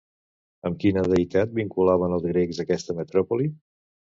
Amb quina deïtat vinculaven els grecs aquesta metròpoli?